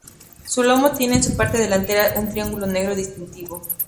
Su lomo tiene en su parte delantera un triángulo negro distintivo.